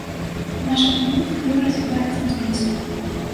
У нашы дні імкліва развіваецца турызм.